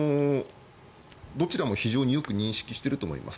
どちらも非常によく認識していると思います。